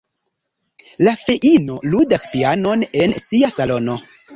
La feino ludas pianon en sia salono.